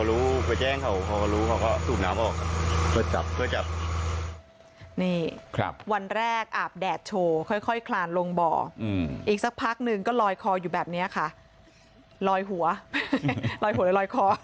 อืมอีกสักพักหนึ่งก็ลอยคออยู่แบบเนี้ยค่ะลอยหัวลอยหัวหรือลอยคอ